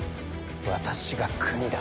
私が国だ。